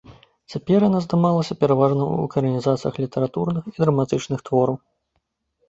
Цяпер яна здымалася пераважна ў экранізацыях літаратурных і драматычных твораў.